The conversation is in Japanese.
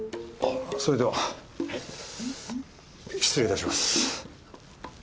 あっそれでは失礼いたします。